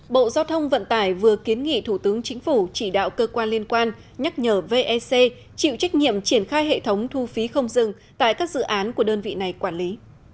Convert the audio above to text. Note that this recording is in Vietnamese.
bộ giao thông vận tải vừa kiến nghị thủ tướng chính phủ chỉ đạo cơ quan liên quan nhắc nhở vec chịu trách nhiệm triển khai hệ thống thu phí không dừng tại các dự án của đơn vị này quản lý